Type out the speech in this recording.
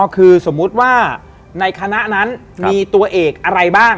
คือสมมุติว่าในคณะนั้นมีตัวเอกอะไรบ้าง